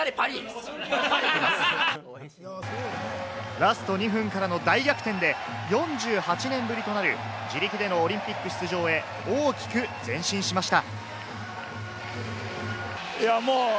ラスト２分からの大逆転で４８年ぶりとなる自力でのオリンピック出場へ大きく前進しました。